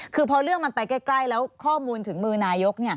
คือพอเรื่องมันไปใกล้แล้วข้อมูลถึงมือนายก